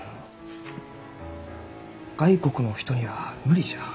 外国のお人には無理じゃ。